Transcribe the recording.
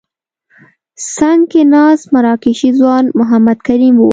څنګ کې ناست مراکشي ځوان محمد کریم وو.